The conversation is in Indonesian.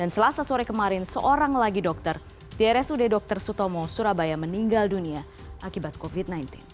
selasa sore kemarin seorang lagi dokter di rsud dr sutomo surabaya meninggal dunia akibat covid sembilan belas